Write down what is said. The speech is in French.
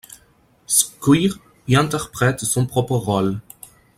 Squyres y interprète son propre rôle.